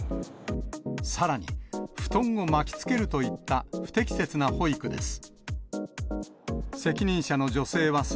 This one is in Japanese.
さらに、布団を巻きつけるといった不適切な保育です。